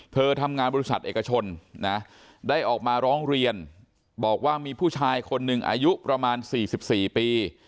เธอทำงานบริษัทเอกชนนะได้ออกมาร้องเรียนบอกว่ามีผู้ชายคนหนึ่งอายุประมาณ๔๔ปี